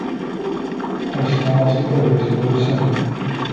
Arsenal's players are the same.